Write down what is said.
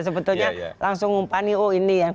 sebetulnya langsung ngumpani oh ini ya